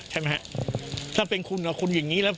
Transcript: ใช่ไหมฮะถ้าเป็นคุณกับคุณอย่างนี้แล้ว